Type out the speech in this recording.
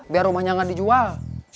biar rumahnya gak dijual